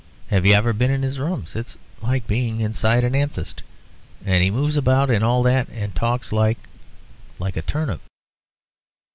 Have you ever been in his rooms? It's like being inside an amethyst. And he moves about in all that and talks like like a turnip."